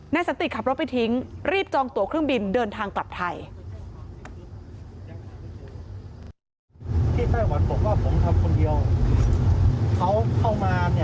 สันติขับรถไปทิ้งรีบจองตัวเครื่องบินเดินทางกลับไทย